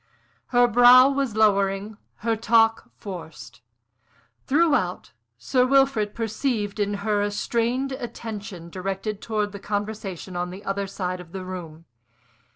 Her brow was lowering, her talk forced. Throughout, Sir Wilfrid perceived in her a strained attention directed towards the conversation on the other side of the room.